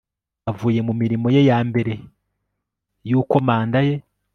avuye mu mirimo ye mbere y uko manda ye